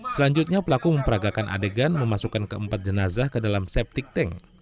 selanjutnya pelaku memperagakan adegan memasukkan keempat jenazah ke dalam septic tank